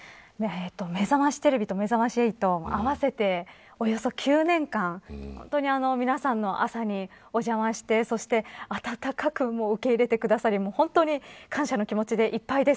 めざましテレビとめざまし８合わせて、およそ９年間本当に皆さんの朝にお邪魔してそして温かく受け入れてくださり本当に感謝の気持ちでいっぱいです。